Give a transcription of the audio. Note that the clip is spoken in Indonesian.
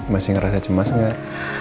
masih ngerasa cemas gak